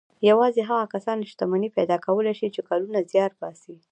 يوازې هغه کسان شتمني پيدا کولای شي چې کلونه زيار باسي.